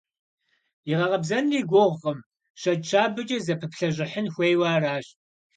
И гъэкъэбзэнри гугъукъым: щэкӏ щабэкӏэ зэпыплъэщӏыхьын хуейуэ аращ.